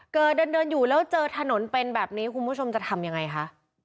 เดินอยู่แล้วเจอถนนเป็นแบบนี้คุณผู้ชมจะทำยังไงคะ